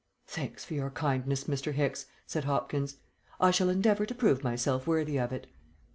"Thanks for your kindness, Mr. Hicks," said Hopkins. "I shall endeavour to prove myself worthy of it."